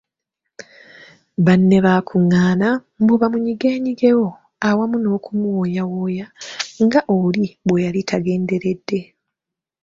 Banne bakungaana mbu bamunyigenyigewo awamu n’okumuwooyawooya nga oli bwe yali tagenderedde.